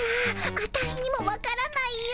アタイにもわからないよ。